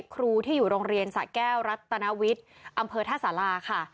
ครูที่อยู่โรงเรียนสะแก้วรัตนวิทย์อำเภอท่าสาราค่ะ